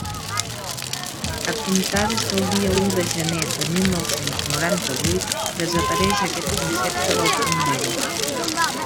A comptar des del dia u de gener de mil nou-cents noranta-vuit, desapareix aquest concepte del Conveni.